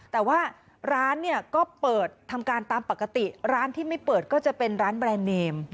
แต่ว่าร้านเนี่ยก็เปิดทำการตามปกติร้านที่ไม่เปิดก็จะเป็นร้านแบรนด์เนม